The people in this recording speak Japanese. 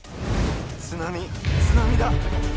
津波津波だ！